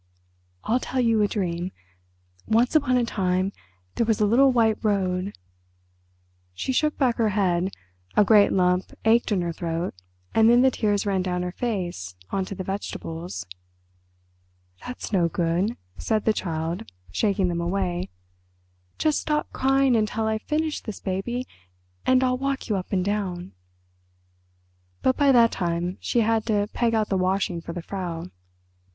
I'll tell you a dream. Once upon a time there was a little white road—" She shook back her head, a great lump ached in her throat and then the tears ran down her face on to the vegetables. "That's no good," said the Child, shaking them away. "Just stop crying until I've finished this, baby, and I'll walk you up and down." But by that time she had to peg out the washing for the Frau.